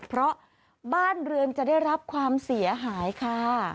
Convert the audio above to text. เพราะบ้านเรือนจะได้รับความเสียหายค่ะ